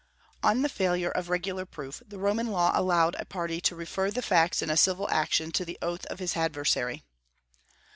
On the failure of regular proof, the Roman law allowed a party to refer the facts in a civil action to the oath of his adversary.